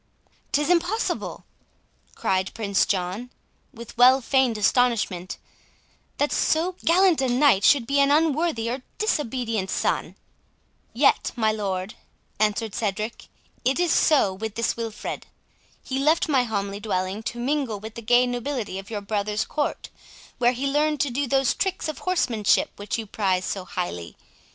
"'Tis impossible," cried Prince John, with well feigned astonishment, "that so gallant a knight should be an unworthy or disobedient son!" "Yet, my lord," answered Cedric, "so it is with this Wilfred. He left my homely dwelling to mingle with the gay nobility of your brother's court, where he learned to do those tricks of horsemanship which you prize so highly.